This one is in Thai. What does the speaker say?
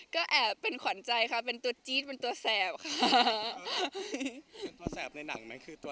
ก็แอบเป็นขวัญใจค่ะเป็นตัวจี๊ดเป็นตัวแสบค่ะ